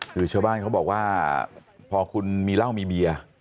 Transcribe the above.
คือชาวบ้านเขาบอกว่าพอคุณมีเหล้ามีเบียร์